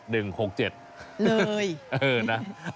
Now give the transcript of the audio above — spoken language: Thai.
เลยเออนะ